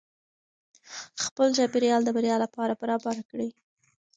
خپل چاپیریال د بریا لپاره برابر کړئ.